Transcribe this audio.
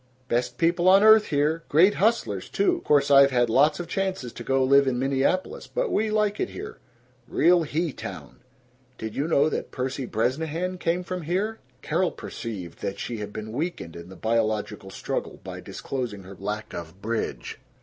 "Best people on earth here. Great hustlers, too. Course I've had lots of chances to go live in Minneapolis, but we like it here. Real he town. Did you know that Percy Bresnahan came from here?" Carol perceived that she had been weakened in the biological struggle by disclosing her lack of bridge.